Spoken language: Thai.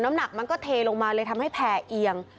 หนักมันก็เทลงมาเลยทำให้แผ่เอียง